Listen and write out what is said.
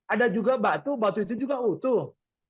ada juga batu batu itu juga utuh